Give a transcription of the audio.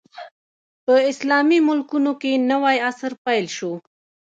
په اسلامي ملکونو کې نوی عصر پیل شو.